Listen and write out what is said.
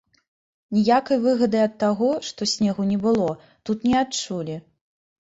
Ніякай выгады ад таго, што снегу не было, тут не адчулі.